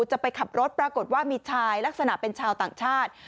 จะไปขับรถปรากฏว่ามีชายลักษณะเป็นชาวต่างชาติ